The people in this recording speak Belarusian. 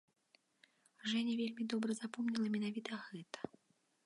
Жэня вельмі добра запомніла менавіта гэта.